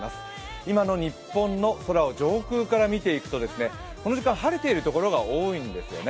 今の日本の空を上空から見ていくとこの時間晴れている所が多いんですよね。